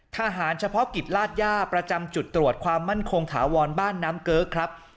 ทหารเฉพาะกิจลาดย่าประจำจุดตรวจความมั่นคงถาวรบ้านน้ำเกิ๊กครับ